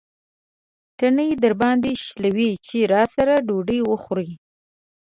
تڼۍ درباندې شلوي چې راسره ډوډۍ وخورې.